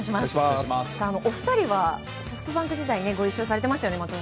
お二人はソフトバンク時代にご一緒されてましたよね。